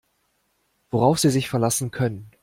Worauf Sie sich verlassen können.